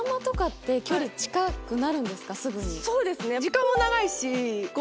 そうですね。